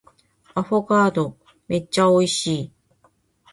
アフォガードめっちゃ美味しい